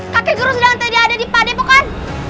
kakek guru sudah nanti ada di pade bukan